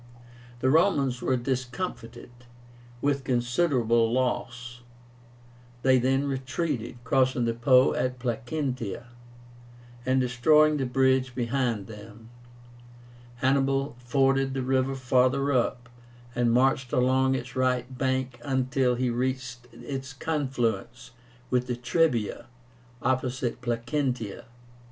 The Romans were discomfited, with considerable loss. They then retreated, crossing the Po at Placentia, and destroying the bridge behind them. Hannibal forded the river farther up, and marched along its right bank until he reached its confluence with the Trebia, opposite Placentia.